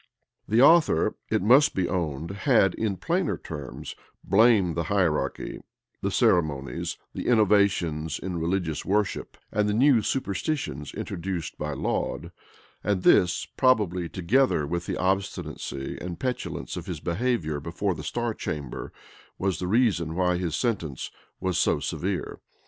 The author, it must be owned, had, in plainer terms, blamed the hierarchy, the ceremonies, the innovations in religious worship, and the new superstitions introduced by Laud;[*] and this, probably, together with the obstinacy and petulance of his behavior before the star chamber, was the reason why his sentence was so severe.